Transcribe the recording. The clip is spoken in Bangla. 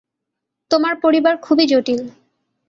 তোমার পরিবার খুবই জটিল।